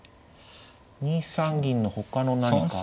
２三銀のほかの何か。